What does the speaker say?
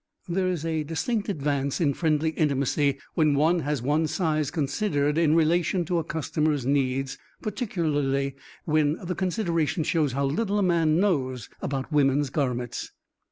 There is a distinct advance in friendly intimacy when one has one's size considered in relation to a customer's needs, particularly when the consideration shows how little a man knows about women's garments.